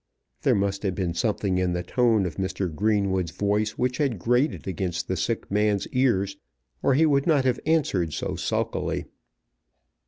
There must have been something in the tone of Mr. Greenwood's voice which had grated against the sick man's ears, or he would not have answered so sulkily.